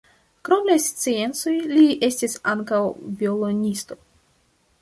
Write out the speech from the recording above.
Krom la sciencoj li estis ankaŭ violonisto.